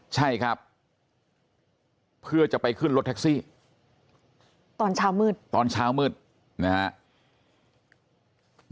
ใช่ครับเพื่อจะไปขึ้นรถแท็กซี่ตอนเช้ามืดตอนเช้ามืดนะฮะ